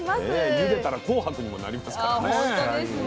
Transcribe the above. ゆでたら紅白にもなりますからね。